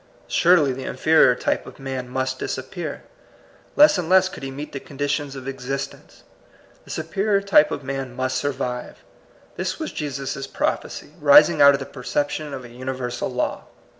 Surely the inferior type of man must disappear. Less and less could he meet the conditions of existence. The superior type of man must survive. This was Jesus* prophecy, rising out of the perception of a universal law.